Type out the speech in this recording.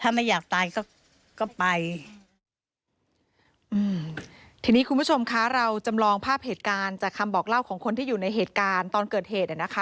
ถ้าไม่อยากตายก็ก็ไปอืมทีนี้คุณผู้ชมคะเราจำลองภาพเหตุการณ์จากคำบอกเล่าของคนที่อยู่ในเหตุการณ์ตอนเกิดเหตุอ่ะนะคะ